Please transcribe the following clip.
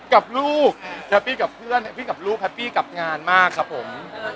กับลูกแฮปปี้กับเพื่อนแฮปปี้กับลูกแฮปปี้กับงานมากครับผม